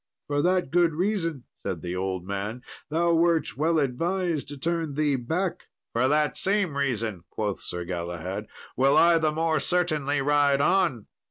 "For that good reason," said the old man, "thou wert well advised to turn thee back." "For that same reason," quoth Sir Galahad, "will I the more certainly ride on."